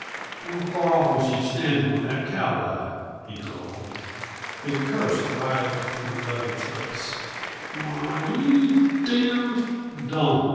"How far off was you standin' when that cow died?" he drawled. A curse writhed through Leviatt's lips. "Why, you damned " "Don't!"